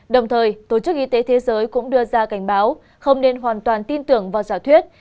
đồng thời tổ chức y tế thế giới cũng đưa ra cảnh báo không nên hoàn toàn tin tưởng vào giả thuyết